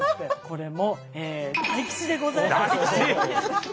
これも大吉でございます。